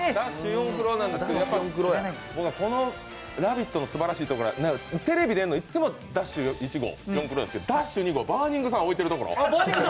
四駆郎」なんですけどこの「ラヴィット！」のすばらしいところはテレビに出るのは「ダッシュ！四駆郎」なんですけどダッシュ２号バーニングサンダー置いてるところ。